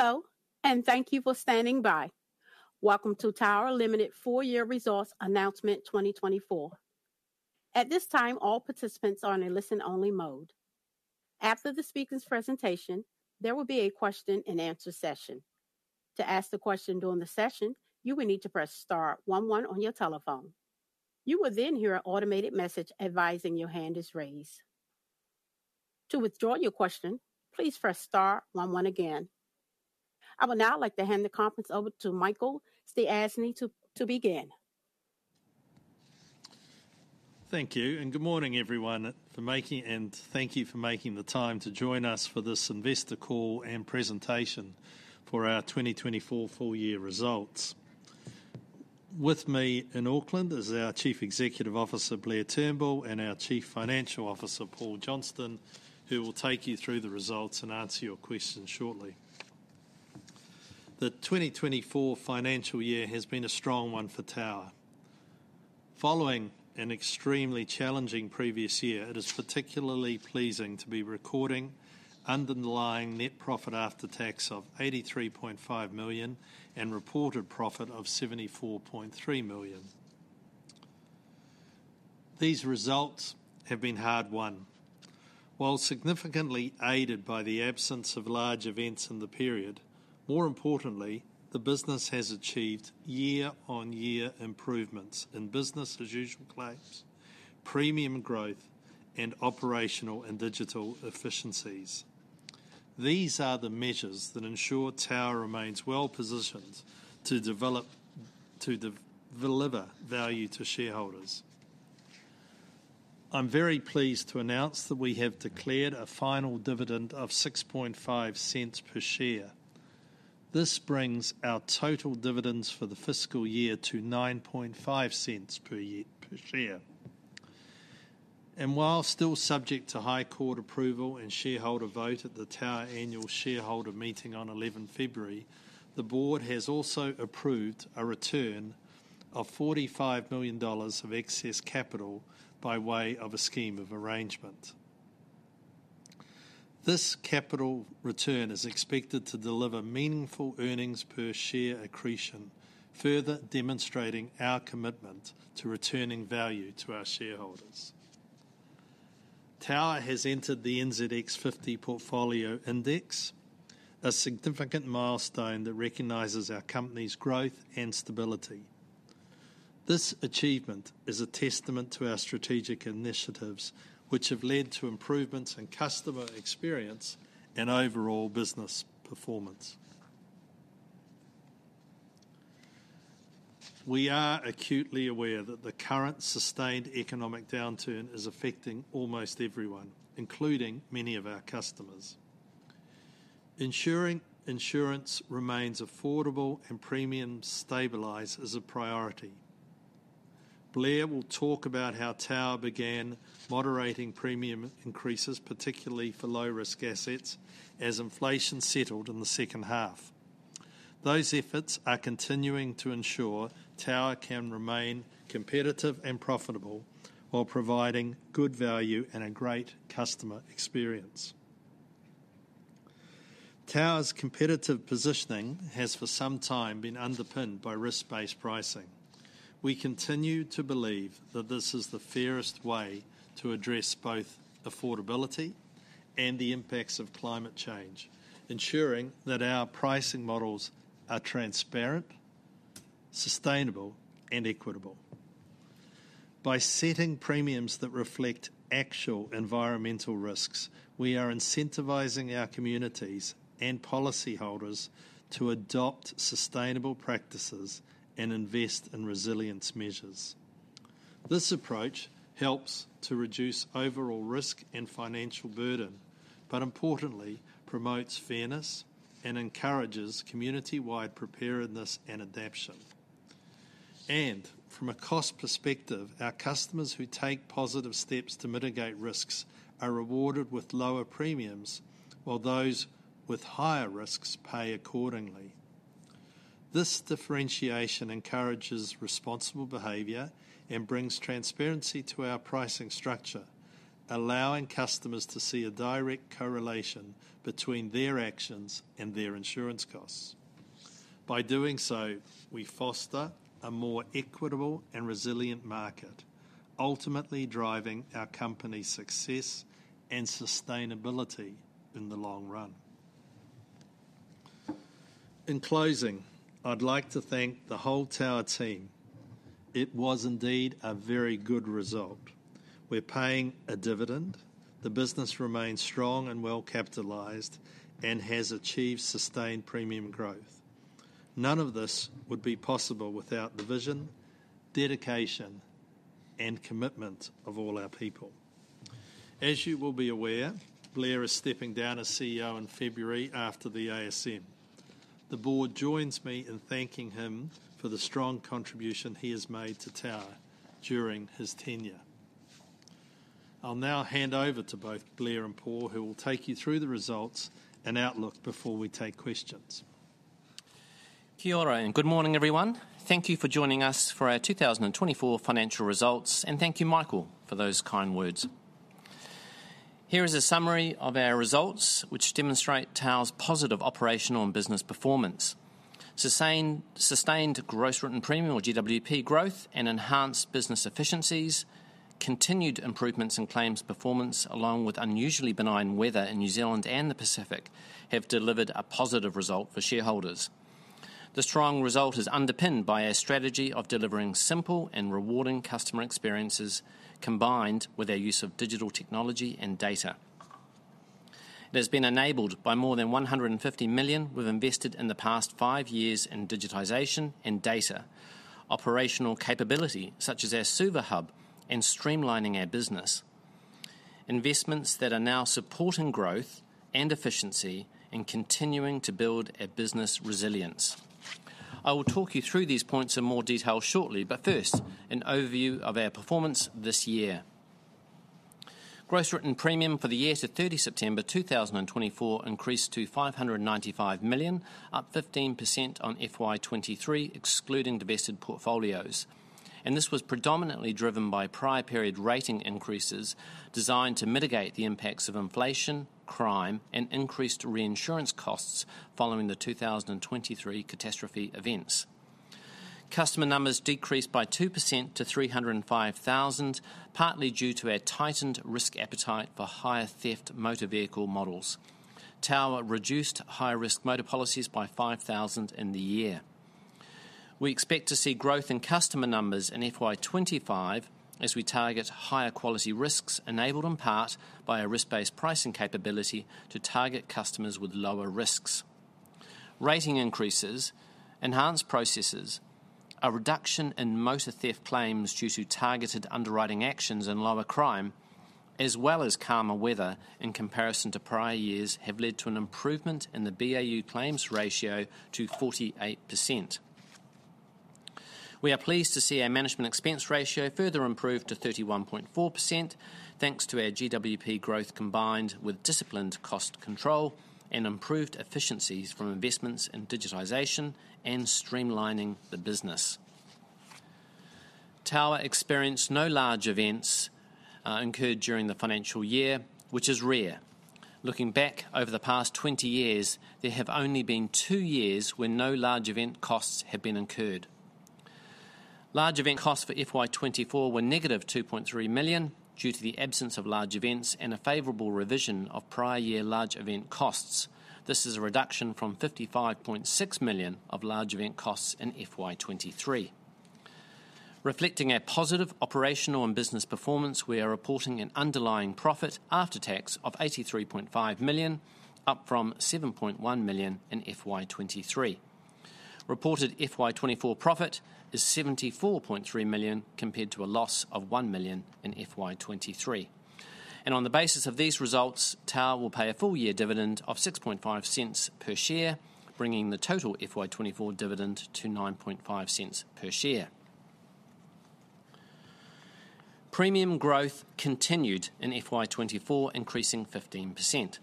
Hello, and thank you for standing by. Welcome to Tower Limited full year Results Announcement 2024. At this time, all participants are in a listen-only mode. After the speaker's presentation, there will be a question-and-answer session. To ask a question during the session, you will need to press Star one one on your telephone. You will then hear an automated message advising your hand is raised. To withdraw your question, please press Star one one again. I would now like to hand the conference over to Michael Stiassny to begin. Thank you, and good morning, everyone, and thank you for making the time to join us for this investor call and presentation for our 2024 full-year results. With me in Auckland is our Chief Executive Officer, Blair Turnbull, and our Chief Financial Officer, Paul Johnston, who will take you through the results and answer your questions shortly. The 2024 financial year has been a strong one for Tower. Following an extremely challenging previous year, it is particularly pleasing to be recording underlying net profit after tax of 83.5 million and reported profit of 74.3 million. These results have been hard-won. While significantly aided by the absence of large events in the period, more importantly, the business has achieved year-on-year improvements in business-as-usual claims, premium growth, and operational and digital efficiencies. These are the measures that ensure Tower remains well-positioned to deliver value to shareholders. I'm very pleased to announce that we have declared a final dividend of 6.50 per share. This brings our total dividends for the fiscal year to 9.50 per share. And while still subject to High Court approval and shareholder vote at the Tower Annual Shareholder Meeting on 11 February, the Board has also approved a return of 45 million dollars of excess capital by way of a scheme of arrangement. This capital return is expected to deliver meaningful earnings per share accretion, further demonstrating our commitment to returning value to our shareholders. Tower has entered the NZX 50 Portfolio Index, a significant milestone that recognizes our company's growth and stability. This achievement is a testament to our strategic initiatives, which have led to improvements in customer experience and overall business performance. We are acutely aware that the current sustained economic downturn is affecting almost everyone, including many of our customers. Ensuring insurance remains affordable and premiums stabilize is a priority. Blair will talk about how Tower began moderating premium increases, particularly for low-risk assets, as inflation settled in the second half. Those efforts are continuing to ensure Tower can remain competitive and profitable while providing good value and a great customer experience. Tower's competitive positioning has for some time been underpinned by risk-based pricing. We continue to believe that this is the fairest way to address both affordability and the impacts of climate change, ensuring that our pricing models are transparent, sustainable, and equitable. By setting premiums that reflect actual environmental risks, we are incentivizing our communities and policyholders to adopt sustainable practices and invest in resilience measures. This approach helps to reduce overall risk and financial burden, but importantly, promotes fairness and encourages community-wide preparedness and adaptation. And from a cost perspective, our customers who take positive steps to mitigate risks are rewarded with lower premiums, while those with higher risks pay accordingly. This differentiation encourages responsible behavior and brings transparency to our pricing structure, allowing customers to see a direct correlation between their actions and their insurance costs. By doing so, we foster a more equitable and resilient market, ultimately driving our company's success and sustainability in the long run. In closing, I'd like to thank the whole Tower team. It was indeed a very good result. We're paying a dividend. The business remains strong and well-capitalized and has achieved sustained premium growth. None of this would be possible without the vision, dedication, and commitment of all our people. As you will be aware, Blair is stepping down as CEO in February after the ASM. The Board joins me in thanking him for the strong contribution he has made to Tower during his tenure. I'll now hand over to both Blair and Paul, who will take you through the results and outlook before we take questions. Kia ora, and good morning, everyone. Thank you for joining us for our 2024 financial results, and thank you, Michael, for those kind words. Here is a summary of our results, which demonstrate Tower's positive operational and business performance. Sustained gross written premium, or GWP, growth and enhanced business efficiencies, continued improvements in claims performance, along with unusually benign weather in New Zealand and the Pacific, have delivered a positive result for shareholders. The strong result is underpinned by our strategy of delivering simple and rewarding customer experiences, combined with our use of digital technology and data. It has been enabled by more than 150 million we've invested in the past five years in digitization and data, operational capability such as our Suva hub, and streamlining our business. Investments that are now supporting growth and efficiency and continuing to build our business resilience. I will talk you through these points in more detail shortly, but first, an overview of our performance this year. Gross written premium for the year to 30 September 2024 increased to 595 million, up 15% on FY 2023, excluding divested portfolios, and this was predominantly driven by prior period rating increases designed to mitigate the impacts of inflation, crime, and increased reinsurance costs following the 2023 catastrophe events. Customer numbers decreased by 2% to 305,000, partly due to our tightened risk appetite for higher theft motor vehicle models. Tower reduced high-risk motor policies by 5,000 in the year. We expect to see growth in customer numbers in FY 2025 as we target higher quality risks, enabled in part by our risk-based pricing capability to target customers with lower risks. Rating increases, enhanced processes, a reduction in motor theft claims due to targeted underwriting actions and lower crime, as well as calmer weather in comparison to prior years, have led to an improvement in the BAU claims ratio to 48%. We are pleased to see our management expense ratio further improved to 31.4%, thanks to our GWP growth combined with disciplined cost control and improved efficiencies from investments in digitization and streamlining the business. Tower experienced no large events incurred during the financial year, which is rare. Looking back over the past 20 years, there have only been two years when no large event costs have been incurred. Large event costs for FY 2024 were negative 2.3 million due to the absence of large events and a favorable revision of prior year large event costs. This is a reduction from 55.6 million of large event costs in FY 2023. Reflecting our positive operational and business performance, we are reporting an underlying profit after tax of 83.5 million, up from 7.1 million in FY 2023. Reported FY 2024 profit is 74.3 million compared to a loss of 1 million in FY 2023. And on the basis of these results, Tower will pay a full-year dividend of 6.50 per share, bringing the total FY 2024 dividend to 9.50 per share. Premium growth continued in FY 2024, increasing 15%.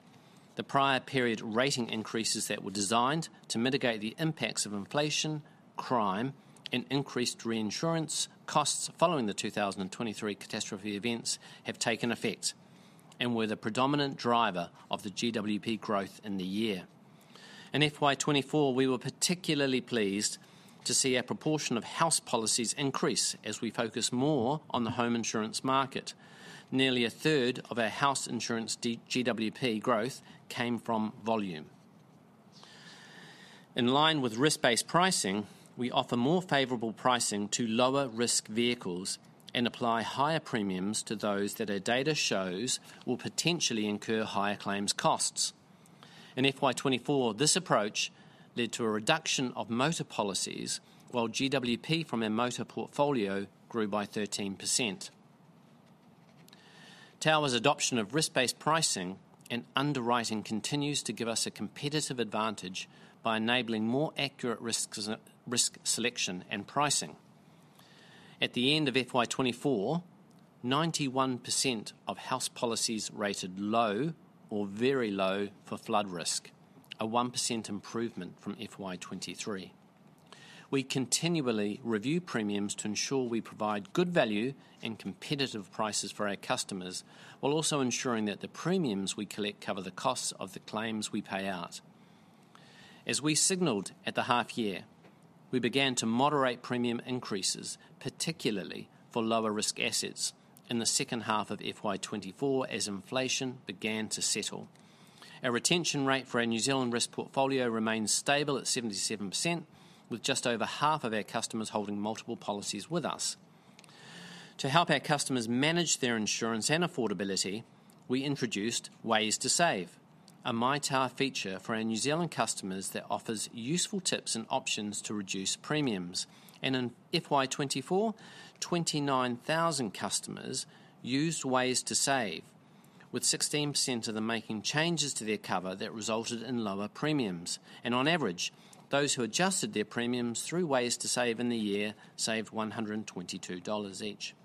The prior period rating increases that were designed to mitigate the impacts of inflation, crime, and increased reinsurance costs following the 2023 catastrophe events have taken effect and were the predominant driver of the GWP growth in the year. In FY 2024, we were particularly pleased to see our proportion of house policies increase as we focus more on the home insurance market. Nearly a third of our house insurance GWP growth came from volume. In line with risk-based pricing, we offer more favorable pricing to lower-risk vehicles and apply higher premiums to those that our data shows will potentially incur higher claims costs. In FY 2024, this approach led to a reduction of motor policies, while GWP from our motor portfolio grew by 13%. Tower's adoption of risk-based pricing and underwriting continues to give us a competitive advantage by enabling more accurate risk selection and pricing. At the end of FY 2024, 91% of house policies rated low or very low for flood risk, a 1% improvement from FY 2023. We continually review premiums to ensure we provide good value and competitive prices for our customers, while also ensuring that the premiums we collect cover the costs of the claims we pay out. As we signaled at the half-year, we began to moderate premium increases, particularly for lower-risk assets, in the second half of FY 2024 as inflation began to settle. Our retention rate for our New Zealand risk portfolio remains stable at 77%, with just over half of our customers holding multiple policies with us. To help our customers manage their insurance and affordability, we introduced Ways to Save, a My Tower feature for our New Zealand customers that offers useful tips and options to reduce premiums. And in FY 2024, 29,000 customers used Ways to Save, with 16% of them making changes to their cover that resulted in lower premiums. And on average, those who adjusted their premiums through Ways to Save in the year saved 122 dollars each.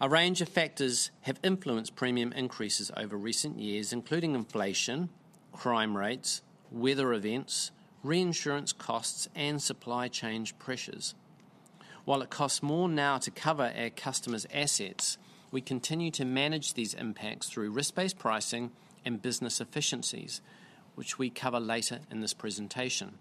A range of factors have influenced premium increases over recent years, including inflation, crime rates, weather events, reinsurance costs, and supply chain pressures. While it costs more now to cover our customers' assets, we continue to manage these impacts through risk-based pricing and business efficiencies, which we cover later in this presentation.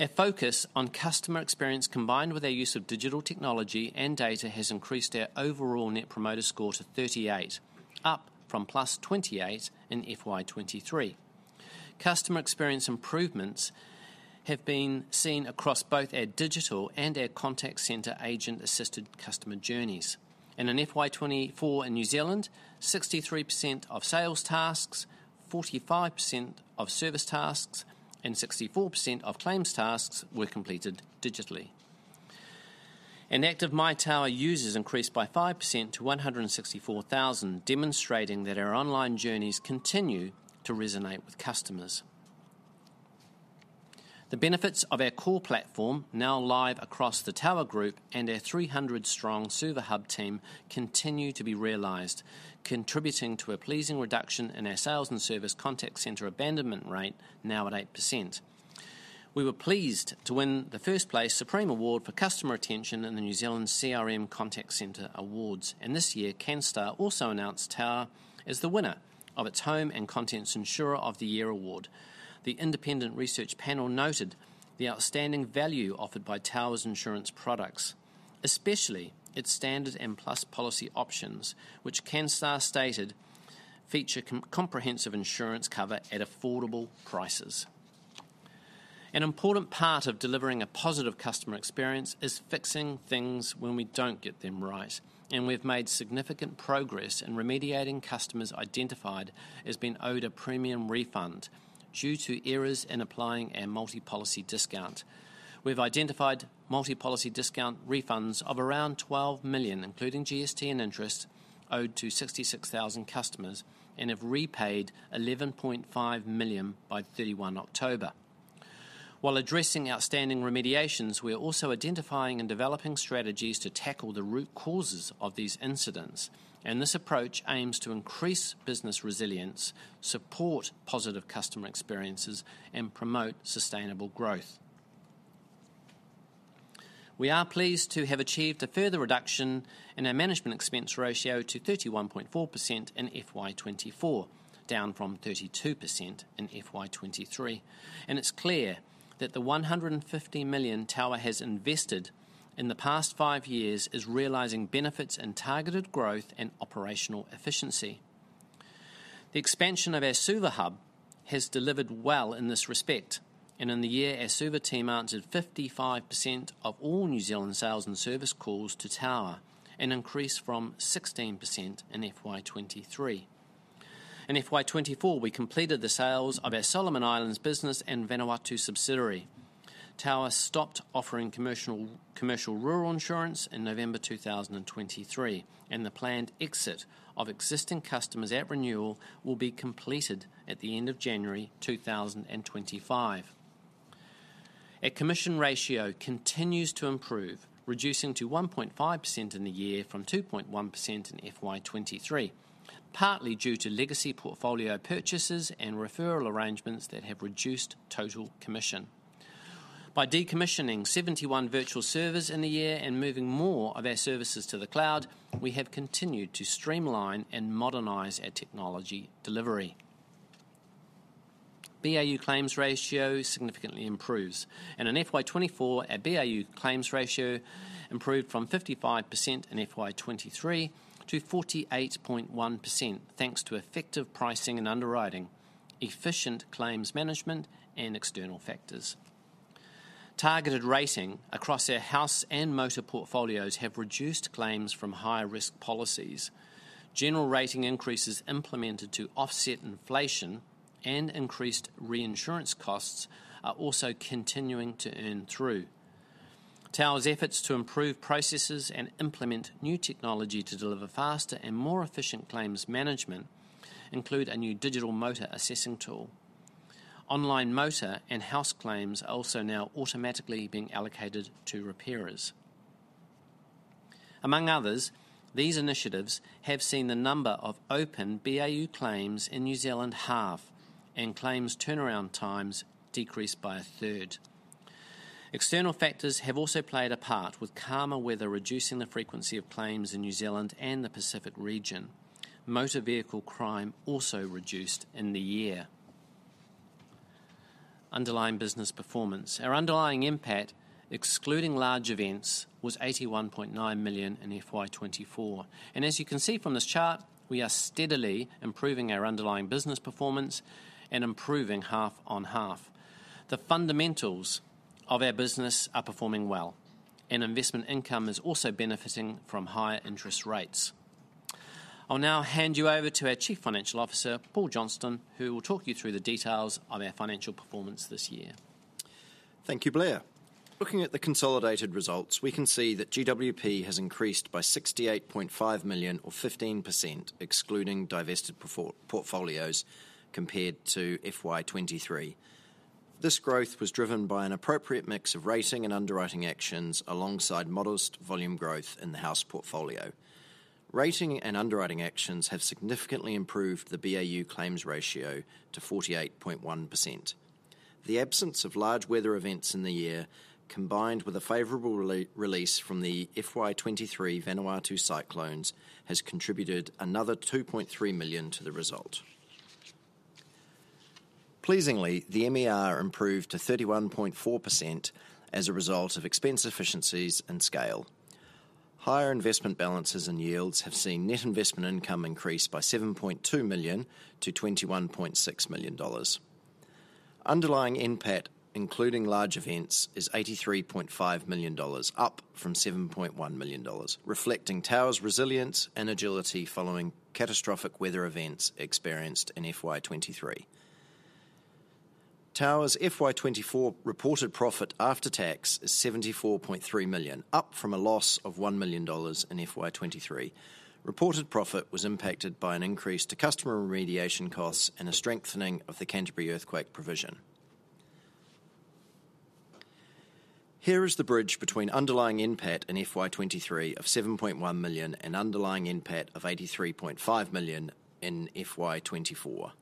Our focus on customer experience, combined with our use of digital technology and data, has increased our overall net promoter score to 38, up from +28 in FY 2023. Customer experience improvements have been seen across both our digital and our contact center agent-assisted customer journeys. In FY 2024 in New Zealand, 63% of sales tasks, 45% of service tasks, and 64% of claims tasks were completed digitally. Active My Tower users increased by 5% to 164,000, demonstrating that our online journeys continue to resonate with customers. The benefits of our core platform, now live across the Tower Group and our 300-strong Suva hub team, continue to be realized, contributing to a pleasing reduction in our sales and service contact center abandonment rate, now at 8%. We were pleased to win the first-place Supreme Award for Customer Attention in the New Zealand CRM Contact Centre Awards. And this year, Canstar also announced Tower as the winner of its Home and Contents Insurer of the Year Award. The independent research panel noted the outstanding value offered by Tower's insurance products, especially its Standard and Plus policy options, which Canstar stated feature comprehensive insurance cover at affordable prices. An important part of delivering a positive customer experience is fixing things when we don't get them right. And we've made significant progress in remediating customers identified as being owed a premium refund due to errors in applying our multi-policy discount. We've identified multi-policy discount refunds of around 12 million, including GST and interest, owed to 66,000 customers and have repaid 11.5 million by 31 October. While addressing outstanding remediations, we are also identifying and developing strategies to tackle the root causes of these incidents. And this approach aims to increase business resilience, support positive customer experiences, and promote sustainable growth. We are pleased to have achieved a further reduction in our management expense ratio to 31.4% in FY 2024, down from 32% in FY 2023. And it's clear that the 150 million Tower has invested in the past five years is realizing benefits in targeted growth and operational efficiency. The expansion of our service hub has delivered well in this respect. And in the year, our service team answered 55% of all New Zealand sales and service calls to Tower, an increase from 16% in FY 2023. In FY 2024, we completed the sales of our Solomon Islands business and Vanuatu subsidiary. Tower stopped offering commercial rural insurance in November 2023, and the planned exit of existing customers at renewal will be completed at the end of January 2025. Our commission ratio continues to improve, reducing to 1.5% in the year from 2.1% in FY 2023, partly due to legacy portfolio purchases and referral arrangements that have reduced total commission. By decommissioning 71 virtual servers in the year and moving more of our services to the cloud, we have continued to streamline and modernize our technology delivery. BAU claims ratio significantly improves. In FY 2024, our BAU claims ratio improved from 55% in FY 2023 to 48.1%, thanks to effective pricing and underwriting, efficient claims management, and external factors. Targeted rating across our house and motor portfolios has reduced claims from high-risk policies. General rating increases implemented to offset inflation and increased reinsurance costs are also continuing to earn through. Tower's efforts to improve processes and implement new technology to deliver faster and more efficient claims management include a new digital motor assessing tool. Online motor and house claims are also now automatically being allocated to repairers. Among others, these initiatives have seen the number of open BAU claims in New Zealand half, and claims turnaround times decreased by a third. External factors have also played a part, with calmer weather reducing the frequency of claims in New Zealand and the Pacific region. Motor vehicle crime also reduced in the year. Underlying business performance. Our underlying NPAT, excluding large events, was 81.9 million in FY 2024, and as you can see from this chart, we are steadily improving our underlying business performance and improving half-on-half. The fundamentals of our business are performing well, and investment income is also benefiting from higher interest rates. I'll now hand you over to our Chief Financial Officer, Paul Johnston, who will talk you through the details of our financial performance this year. Thank you, Blair. Looking at the consolidated results, we can see that GWP has increased by 68.5 million, or 15%, excluding divested portfolios, compared to FY 2023. This growth was driven by an appropriate mix of rating and underwriting actions alongside modest volume growth in the house portfolio. Rating and underwriting actions have significantly improved the BAU claims ratio to 48.1%. The absence of large weather events in the year, combined with a favorable release from the FY 2023 Vanuatu cyclones, has contributed another 2.3 million to the result. Pleasingly, the MER improved to 31.4% as a result of expense efficiencies and scale. Higher investment balances and yields have seen net investment income increase by 7.2 million to 21.6 million dollars. Underlying NPAT, including large events, is 83.5 million dollars, up from 7.1 million dollars, reflecting Tower's resilience and agility following catastrophic weather events experienced in FY 2023. Tower's FY 2024 reported profit after tax is 74.3 million, up from a loss of 1 million dollars in FY 2023. Reported profit was impacted by an increase to customer remediation costs and a strengthening of the Canterbury Earthquake provision. Here is the bridge between underlying NPAT in FY 2023 of 7.1 million and underlying NPAT of 83.5 million in FY 2024.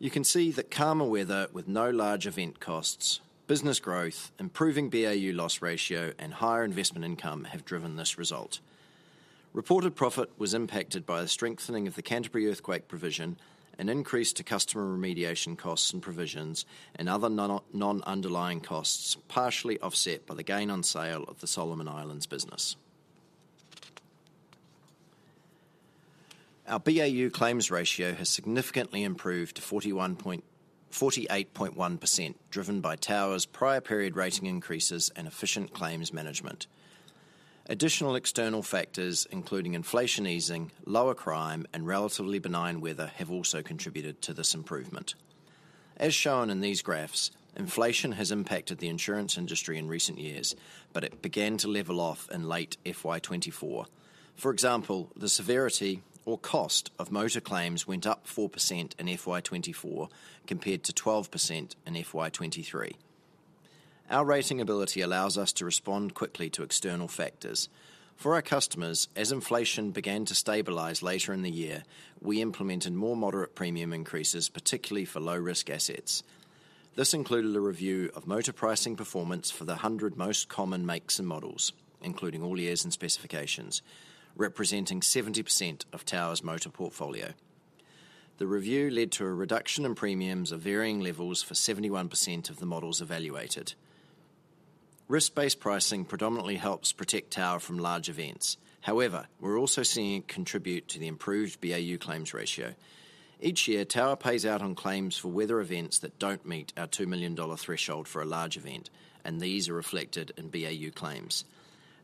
You can see that calmer weather with no large event costs, business growth, improving BAU loss ratio, and higher investment income have driven this result. Reported profit was impacted by the strengthening of the Canterbury Earthquake provision, an increase to customer remediation costs and provisions, and other non-underlying costs, partially offset by the gain on sale of the Solomon Islands business. Our BAU claims ratio has significantly improved to 48.1%, driven by Tower's prior-period rating increases and efficient claims management. Additional external factors, including inflation easing, lower crime, and relatively benign weather, have also contributed to this improvement. As shown in these graphs, inflation has impacted the insurance industry in recent years, but it began to level off in late FY 2024. For example, the severity or cost of motor claims went up 4% in FY 2024 compared to 12% in FY 2023. Our rating ability allows us to respond quickly to external factors. For our customers, as inflation began to stabilize later in the year, we implemented more moderate premium increases, particularly for low-risk assets. This included a review of motor pricing performance for the 100 most common makes and models, including all years and specifications, representing 70% of Tower's motor portfolio. The review led to a reduction in premiums of varying levels for 71% of the models evaluated. Risk-based pricing predominantly helps protect Tower from large events. However, we're also seeing it contribute to the improved BAU claims ratio. Each year, Tower pays out on claims for weather events that don't meet our 2 million dollar threshold for a large event, and these are reflected in BAU claims.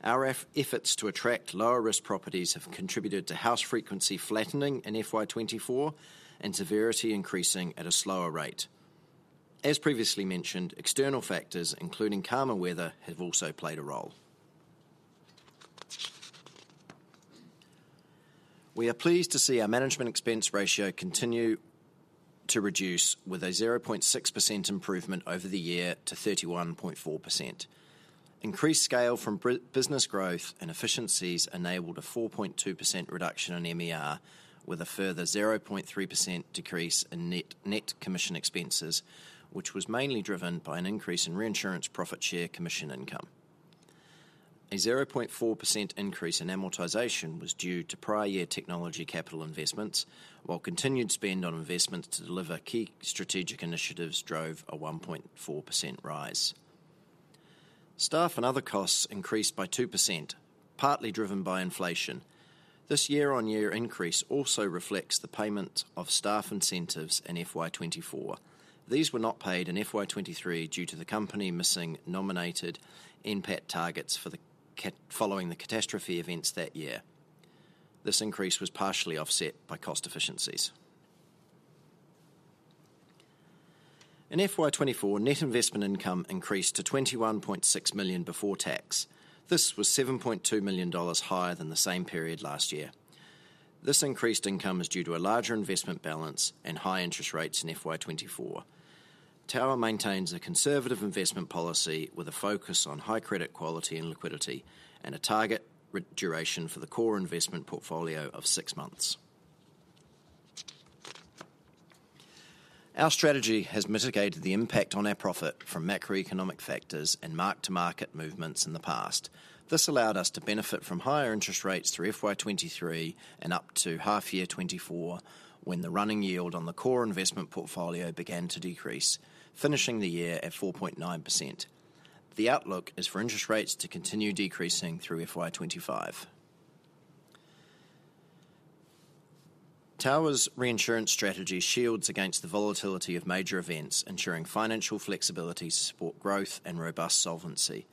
Our efforts to attract lower-risk properties have contributed to house frequency flattening in FY 2024 and severity increasing at a slower rate. As previously mentioned, external factors, including calmer weather, have also played a role. We are pleased to see our management expense ratio continue to reduce with a 0.6% improvement over the year to 31.4%. Increased scale from business growth and efficiencies enabled a 4.2% reduction in MER, with a further 0.3% decrease in net commission expenses, which was mainly driven by an increase in reinsurance profit share commission income. A 0.4% increase in amortization was due to prior-year technology capital investments, while continued spend on investments to deliver key strategic initiatives drove a 1.4% rise. Staff and other costs increased by 2%, partly driven by inflation. This year-on-year increase also reflects the payment of staff incentives in FY 2024. These were not paid in FY 2023 due to the company missing nominated NPAT targets following the catastrophe events that year. This increase was partially offset by cost efficiencies. In FY 2024, net investment income increased to 21.6 million before tax. This was 7.2 million dollars higher than the same period last year. This increased income is due to a larger investment balance and high interest rates in FY 2024. Tower maintains a conservative investment policy with a focus on high credit quality and liquidity and a target duration for the core investment portfolio of six months. Our strategy has mitigated the impact on our profit from macroeconomic factors and mark-to-market movements in the past. This allowed us to benefit from higher interest rates through FY 2023 and up to half-year '24 when the running yield on the core investment portfolio began to decrease, finishing the year at 4.9%. The outlook is for interest rates to continue decreasing through FY 2025. Tower's reinsurance strategy shields against the volatility of major events, ensuring financial flexibility to support growth and robust solvency.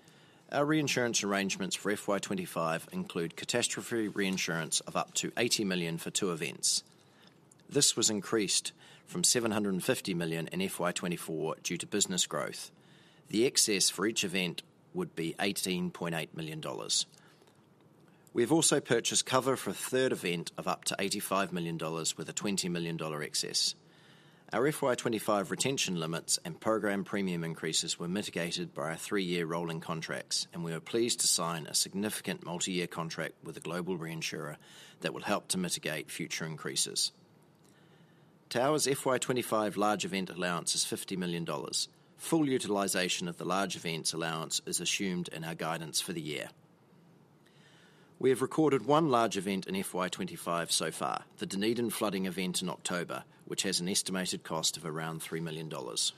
Our reinsurance arrangements for FY 2025 include catastrophe reinsurance of up to 80 million for two events. This was increased from 750 million in FY 2024 due to business growth. The excess for each event would be 18.8 million dollars. We have also purchased cover for a third event of up to 85 million dollars with a 20 million dollar excess. Our FY 2025 retention limits and program premium increases were mitigated by our three-year rolling contracts, and we are pleased to sign a significant multi-year contract with a global reinsurer that will help to mitigate future increases. Tower's FY 2025 large event allowance is 50 million dollars. Full utilization of the large events allowance is assumed in our guidance for the year. We have recorded one large event in FY 2025 so far, the Dunedin flooding event in October, which has an estimated cost of around 3 million dollars.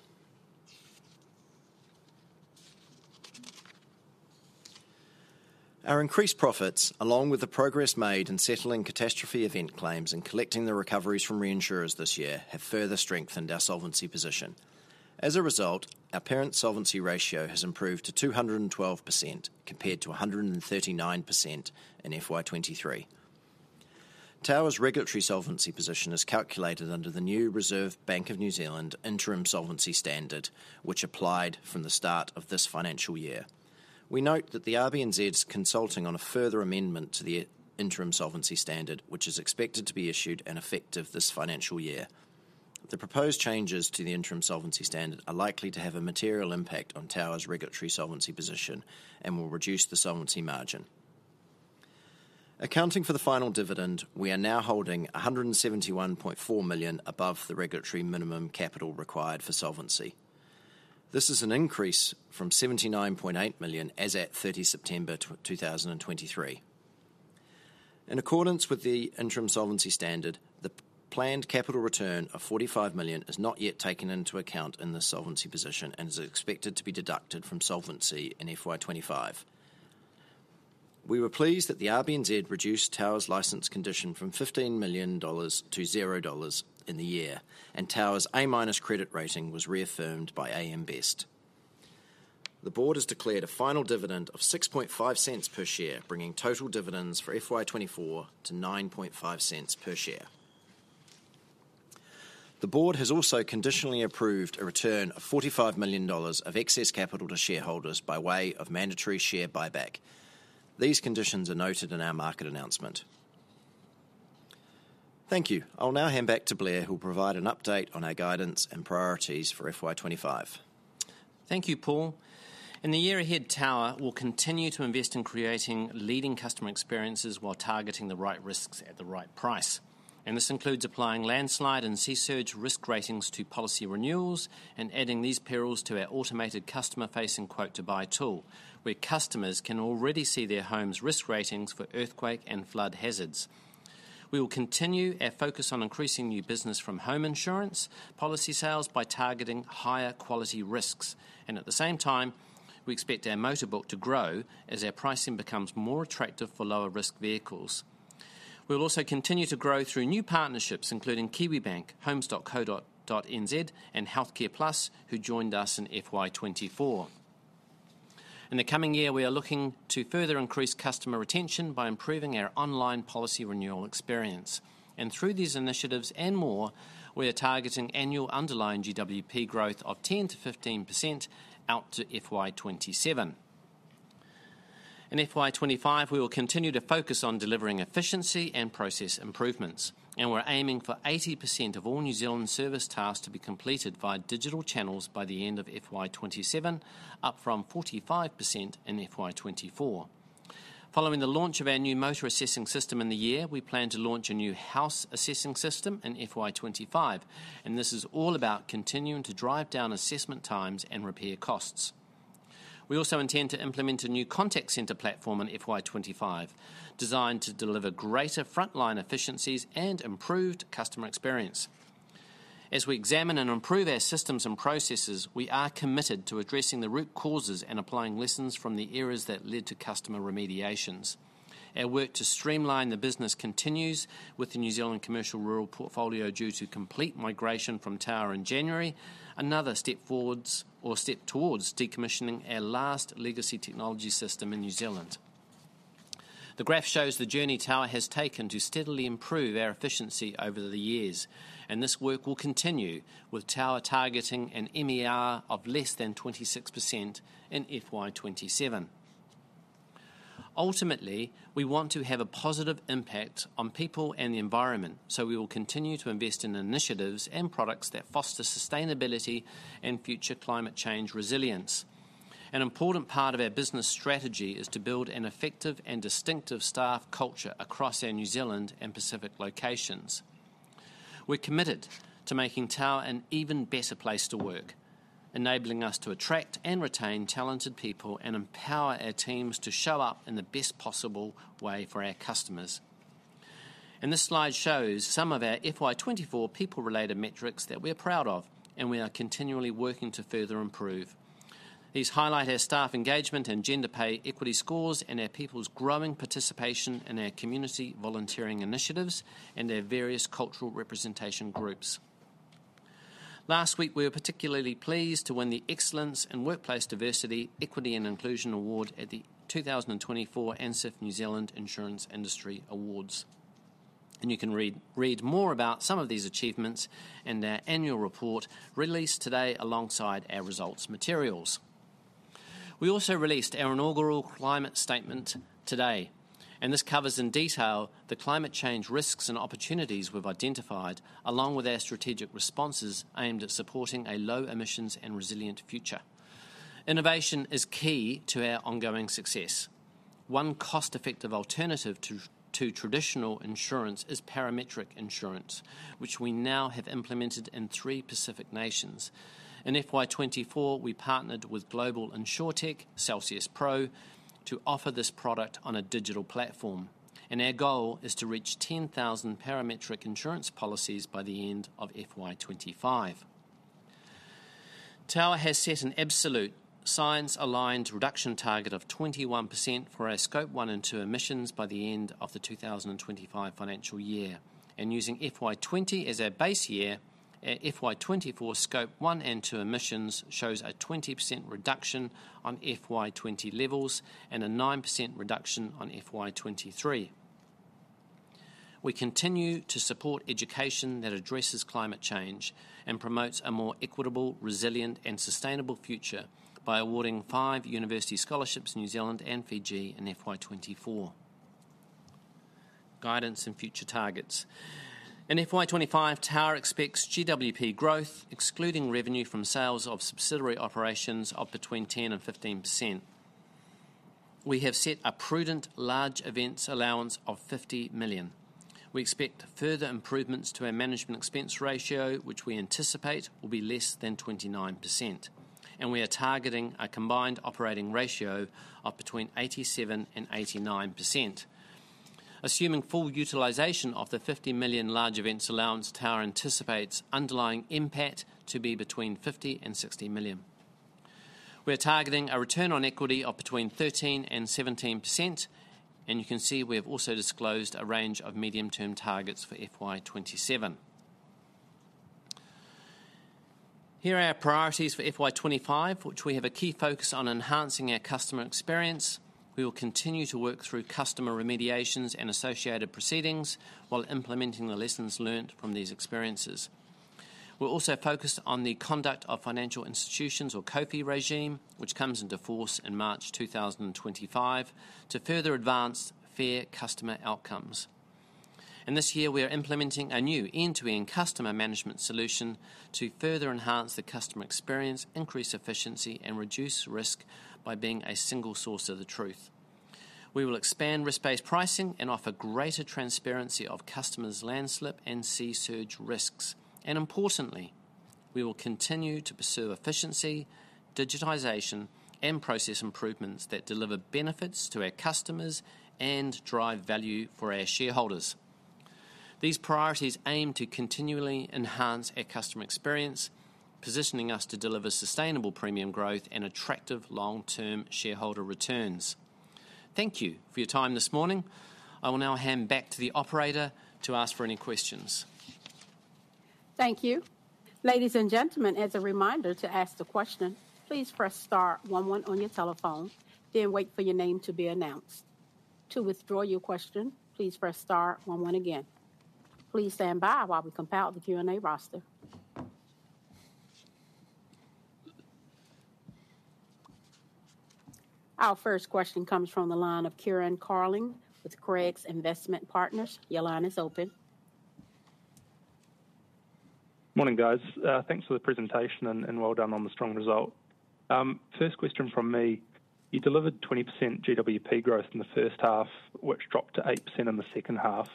Our increased profits, along with the progress made in settling catastrophe event claims and collecting the recoveries from reinsurers this year, have further strengthened our solvency position. As a result, our parent solvency ratio has improved to 212% compared to 139% in FY 2023. Tower's regulatory solvency position is calculated under the new Reserve Bank of New Zealand interim solvency standard, which applied from the start of this financial year. We note that the RBNZ is consulting on a further amendment to the interim solvency standard, which is expected to be issued and effective this financial year. The proposed changes to the interim solvency standard are likely to have a material impact on Tower's regulatory solvency position and will reduce the solvency margin. Accounting for the final dividend, we are now holding 171.4 million above the regulatory minimum capital required for solvency. This is an increase from 79.8 million as at 30 September 2023. In accordance with the interim solvency standard, the planned capital return of 45 million is not yet taken into account in the solvency position and is expected to be deducted from solvency in FY 2025. We were pleased that the RBNZ reduced Tower's license condition from NZD 15 million to 0 in the year, and Tower's A-minus credit rating was reaffirmed by AM Best. The Board has declared a final dividend of 0.65 per share, bringing total dividends for FY 2024 to 0.95 per share. The Board has also conditionally approved a return of 45 million dollars of excess capital to shareholders by way of mandatory share buyback. These conditions are noted in our market announcement. Thank you. I'll now hand back to Blair, who will provide an update on our guidance and priorities for FY 2025. Thank you, Paul. In the year ahead, Tower will continue to invest in creating leading customer experiences while targeting the right risks at the right price. And this includes applying landslide and sea surge risk ratings to policy renewals and adding these perils to our automated customer-facing quote-to-buy tool, where customers can already see their home's risk ratings for earthquake and flood hazards. We will continue our focus on increasing new business from home insurance policy sales by targeting higher quality risks. And at the same time, we expect our motorbook to grow as our pricing becomes more attractive for lower-risk vehicles. We'll also continue to grow through new partnerships, including Kiwibank, Homes.co.nz, and HealthCarePlus, who joined us in FY 2024. In the coming year, we are looking to further increase customer retention by improving our online policy renewal experience. And through these initiatives and more, we are targeting annual underlying GWP growth of 10%-15% out to FY 2027. In FY 2025, we will continue to focus on delivering efficiency and process improvements. We're aiming for 80% of all New Zealand service tasks to be completed via digital channels by the end of FY 2027, up from 45% in FY 2024. Following the launch of our new motor assessing system in the year, we plan to launch a new house assessing system in FY 2025. This is all about continuing to drive down assessment times and repair costs. We also intend to implement a new contact center platform in FY 2025, designed to deliver greater frontline efficiencies and improved customer experience. As we examine and improve our systems and processes, we are committed to addressing the root causes and applying lessons from the errors that led to customer remediations. Our work to streamline the business continues with the New Zealand commercial rural portfolio due to complete migration from Tower in January, another step towards decommissioning our last legacy technology system in New Zealand. The graph shows the journey Tower has taken to steadily improve our efficiency over the years. And this work will continue with Tower targeting an MER of less than 26% in FY 2027. Ultimately, we want to have a positive impact on people and the environment, so we will continue to invest in initiatives and products that foster sustainability and future climate change resilience. An important part of our business strategy is to build an effective and distinctive staff culture across our New Zealand and Pacific locations. We're committed to making Tower an even better place to work, enabling us to attract and retain talented people and empower our teams to show up in the best possible way for our customers. And this slide shows some of our FY 2024 people-related metrics that we are proud of and we are continually working to further improve. These highlight our staff engagement and gender pay equity scores and our people's growing participation in our community volunteering initiatives and their various cultural representation groups. Last week, we were particularly pleased to win the Excellence in Workplace Diversity, Equity, and Inclusion Award at the 2024 ANZIIF New Zealand Insurance Industry Awards, and you can read more about some of these achievements in our annual report released today alongside our results materials. We also released our inaugural climate statement today, and this covers in detail the climate change risks and opportunities we've identified, along with our strategic responses aimed at supporting a low-emissions and resilient future. Innovation is key to our ongoing success. One cost-effective alternative to traditional insurance is parametric insurance, which we now have implemented in three Pacific nations. In FY 2024, we partnered with global insurtech CelsiusPro to offer this product on a digital platform. Our goal is to reach 10,000 parametric insurance policies by the end of FY 2025. Tower has set an absolute science-aligned reduction target of 21% for our Scope 1 and 2 emissions by the end of the 2025 financial year. Using FY 2020 as our base year, FY 2024 Scope 1 and 2 emissions shows a 20% reduction on FY20 levels and a 9% reduction on FY 2023. We continue to support education that addresses climate change and promotes a more equitable, resilient, and sustainable future by awarding five university scholarships in New Zealand and Fiji in FY 2024. Guidance and future targets. In FY 2025, Tower expects GWP growth, excluding revenue from sales of subsidiary operations, of between 10% and 15%. We have set a prudent large events allowance of 50 million. We expect further improvements to our management expense ratio, which we anticipate will be less than 29%. We are targeting a combined operating ratio of between 87% and 89%. Assuming full utilization of the 50 million large events allowance, Tower anticipates underlying NPAT to be between 50 million and 60 million. We're targeting a return on equity of between 13% and 17%. And you can see we have also disclosed a range of medium-term targets for FY 2027. Here are our priorities for FY 2025, which we have a key focus on enhancing our customer experience. We will continue to work through customer remediations and associated proceedings while implementing the lessons learned from these experiences. We're also focused on the conduct of financial institutions or CoFI regime, which comes into force in March 2025, to further advance fair customer outcomes. And this year, we are implementing a new end-to-end customer management solution to further enhance the customer experience, increase efficiency, and reduce risk by being a single source of the truth. We will expand risk-based pricing and offer greater transparency of customers' landslide and sea surge risks. And importantly, we will continue to pursue efficiency, digitization, and process improvements that deliver benefits to our customers and drive value for our shareholders. These priorities aim to continually enhance our customer experience, positioning us to deliver sustainable premium growth and attractive long-term shareholder returns. Thank you for your time this morning. I will now hand back to the operator to ask for any questions. Thank you. Ladies and gentlemen, as a reminder to ask the question, please press star 11 on your telephone, then wait for your name to be announced. To withdraw your question, please press star 11 again. Please stand by while we compile the Q&A roster. Our first question comes from the line of Kieran Carling with Craigs Investment Partners. Your line is open. Morning, guys. Thanks for the presentation and well done on the strong result. First question from me. You delivered 20% GWP growth in the first half, which dropped to 8% in the second half.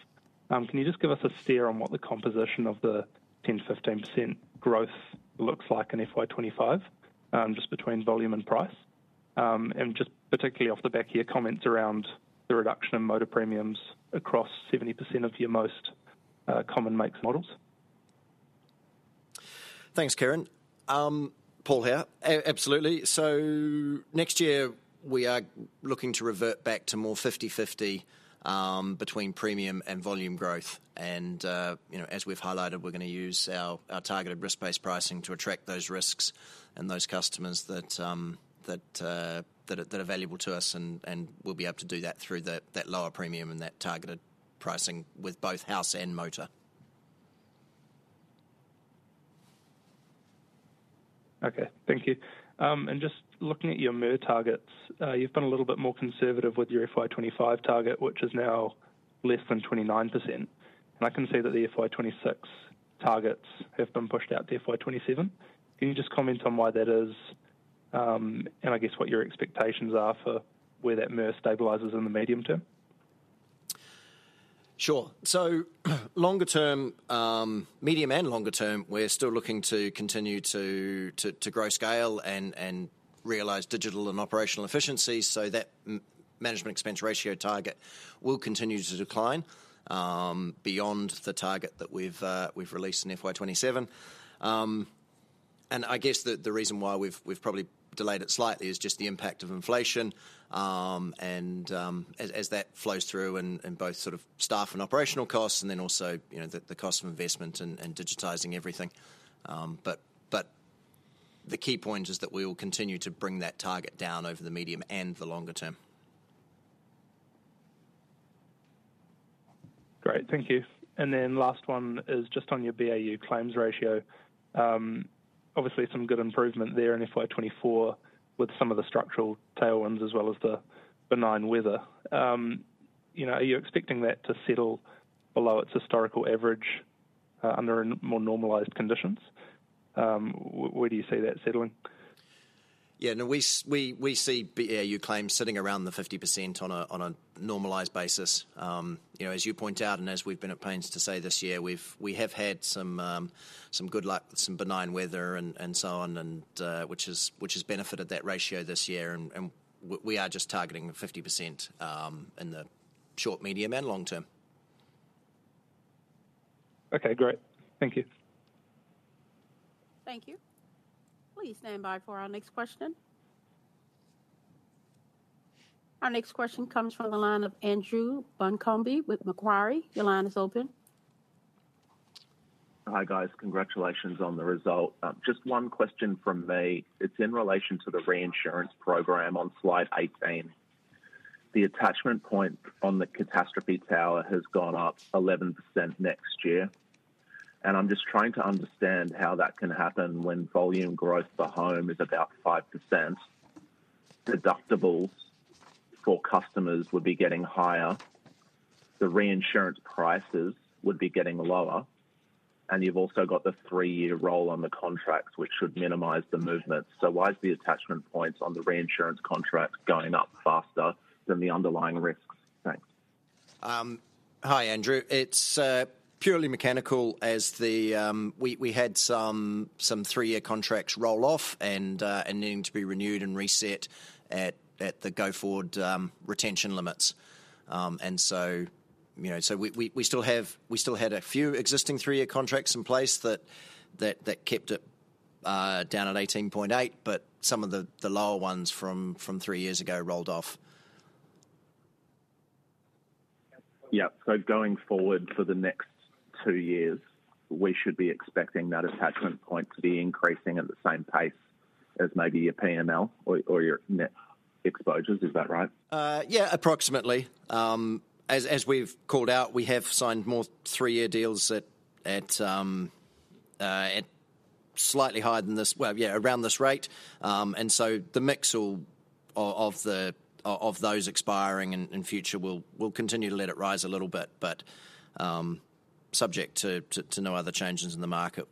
Can you just give us a steer on what the composition of the 10%-15% growth looks like in FY 2025, just between volume and price? And just particularly off the back of your comments around the reduction in motor premiums across 70% of your most common makes and models. Thanks, Kieran. Paul here. Absolutely. So next year, we are looking to revert back to more 50/50 between premium and volume growth. And as we've highlighted, we're going to use our targeted risk-based pricing to attract those risks and those customers that are valuable to us. And we'll be able to do that through that lower premium and that targeted pricing with both house and motor. Okay. Thank you. And just looking at your MER targets, you've been a little bit more conservative with your FY 2025 target, which is now less than 29%. And I can see that the FY 2026 targets have been pushed out to FY 2027. Can you just comment on why that is and I guess what your expectations are for where that MER stabilizes in the medium term? Sure, so longer term, medium and longer term, we're still looking to continue to grow scale and realize digital and operational efficiencies, so that management expense ratio target will continue to decline beyond the target that we've released in FY 2027, and I guess that the reason why we've probably delayed it slightly is just the impact of inflation and as that flows through in both sort of staff and operational costs and then also the cost of investment and digitizing everything, but the key point is that we will continue to bring that target down over the medium and the longer term. Great. Thank you. And then last one is just on your BAU claims ratio. Obviously, some good improvement there in FY 2024 with some of the structural tailwinds as well as the benign weather. Are you expecting that to settle below its historical average under more normalized conditions? Where do you see that settling? Yeah. No, we see BAU claims sitting around the 50% on a normalized basis. As you point out and as we've been at pains to say this year, we have had some benign weather and so on, which has benefited that ratio this year, and we are just targeting the 50% in the short, medium, and long term. Okay. Great. Thank you. Thank you. Please stand by for our next question. Our next question comes from the line of Andrew Buncombe with Macquarie. Your line is open. Hi, guys. Congratulations on the result. Just one question from me. It's in relation to the reinsurance program on slide 18. The attachment point on the catastrophe tower has gone up 11% next year. And I'm just trying to understand how that can happen when volume growth for home is about 5%. Deductibles for customers would be getting higher. The reinsurance prices would be getting lower. And you've also got the three-year roll on the contracts, which should minimize the movement. So why is the attachment points on the reinsurance contract going up faster than the underlying risks? Thanks. Hi, Andrew. It's purely mechanical as we had some three-year contracts roll off and needing to be renewed and reset at the go forward retention limits. And so we still had a few existing three-year contracts in place that kept it down at 18.8, but some of the lower ones from three years ago rolled off. Yeah. So going forward for the next two years, we should be expecting that attachment point to be increasing at the same pace as maybe your PML or your net exposures. Is that right? Yeah, approximately. As we've called out, we have signed more three-year deals at slightly higher than this, well, yeah, around this rate. And so the mix of those expiring in future, we'll continue to let it rise a little bit, but subject to no other changes in the market,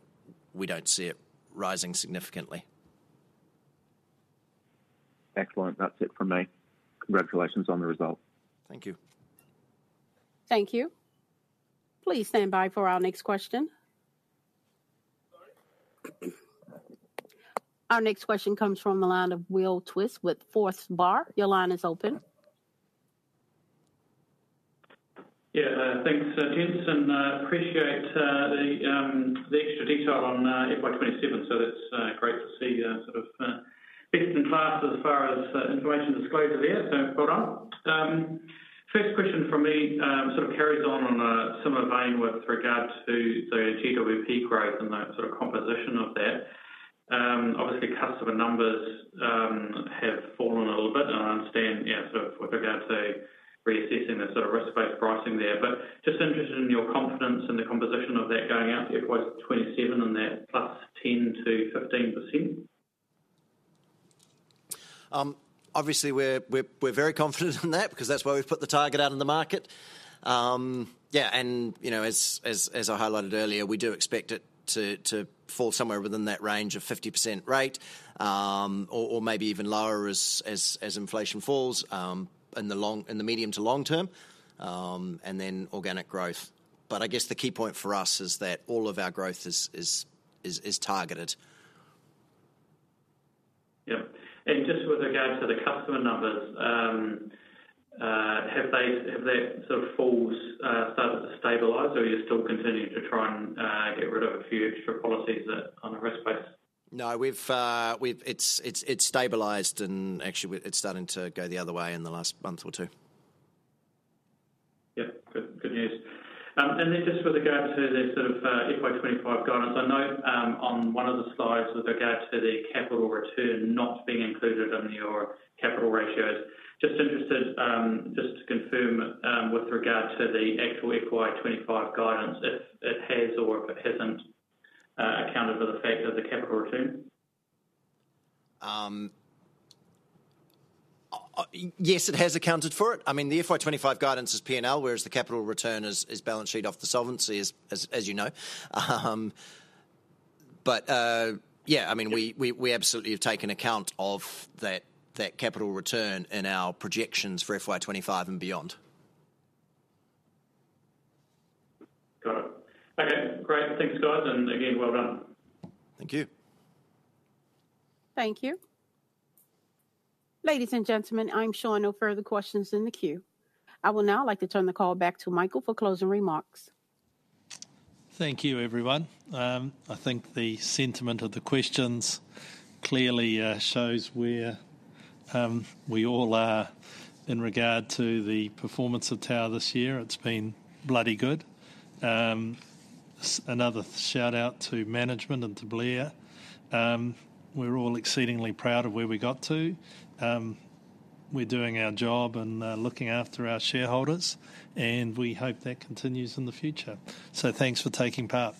we don't see it rising significantly. Excellent. That's it from me. Congratulations on the result. Thank you. Thank you. Please stand by for our next question. Our next question comes from the line of Will Twiss with Forsyth Barr. Your line is open. Yeah. Thanks, gents and I appreciate the extra detail on FY 2027. So that's great to see sort of best in class as far as information disclosure there. So well done. First question from me sort of carries on a similar vein with regard to the GWP growth and the sort of composition of that. Obviously, customer numbers have fallen a little bit. And I understand, yeah, sort of with regard to reassessing the sort of risk-based pricing there. But just interested in your confidence in the composition of that going out to FY 2027 and that 10%-15%. Obviously, we're very confident in that because that's why we've put the target out in the market. Yeah. And as I highlighted earlier, we do expect it to fall somewhere within that range of 50% rate or maybe even lower as inflation falls in the medium to long term and then organic growth. But I guess the key point for us is that all of our growth is targeted. Yep. And just with regard to the customer numbers, have that sort of falls started to stabilize or are you still continuing to try and get rid of a few extra policies on the risk-based? No. It's stabilized and actually it's starting to go the other way in the last month or two. Yep. Good news, and then just with regard to the sort of FY 2025 guidance, I know on one of the slides with regard to the capital return not being included in your capital ratios. Just interested to confirm with regard to the actual FY 2025 guidance, if it has or if it hasn't accounted for the fact of the capital return? Yes, it has accounted for it. I mean, the FY 2025 guidance is P&L, whereas the capital return is balance sheet off the solvency, as you know. But yeah, I mean, we absolutely have taken account of that capital return in our projections for FY 2025 and beyond. Got it. Okay. Great. Thanks, guys. And again, well done. Thank you. Thank you. Ladies and gentlemen, I'm sure no further questions in the queue. I will now like to turn the call back to Michael for closing remarks. Thank you, everyone. I think the sentiment of the questions clearly shows where we all are in regard to the performance of Tower this year. It's been bloody good. Another shout-out to management and to Blair. We're all exceedingly proud of where we got to. We're doing our job and looking after our shareholders. And we hope that continues in the future. So thanks for taking part.